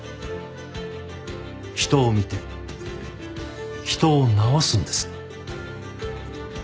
人を見て人を治すんです。